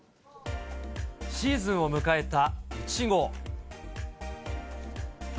シーズンを迎えたイチゴ。